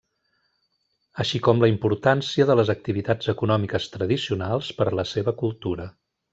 Així com la importància de les activitats econòmiques tradicionals per a la seva cultura.